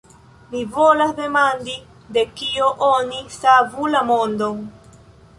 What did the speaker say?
Mi volas demandi, de kio oni savu la mondon.